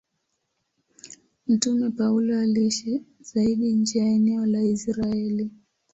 Mtume Paulo aliishi zaidi nje ya eneo la Israeli.